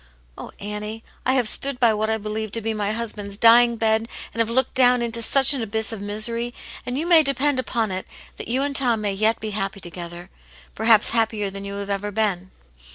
Oh, Annie I I have stood by what I believed to be my husband's dying bed, and have looked down into such an abyss of misery ! And you may depend upon it that you and Tom may yet be happy together ; perhaps hap pier than you have ever been."